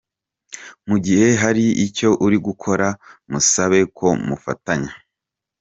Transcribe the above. Mu gihe hari icyo uri gukora musabe ko mufatanya.